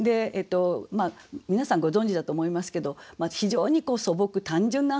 皆さんご存じだと思いますけど非常に素朴単純な遊びです。